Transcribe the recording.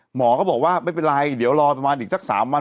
หมอก็บอกว่าไม่เป็นไรเดี๋ยวรอประมาณอีกสัก๓วัน